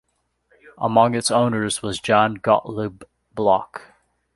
Among its owners was Jan Gotlib Bloch.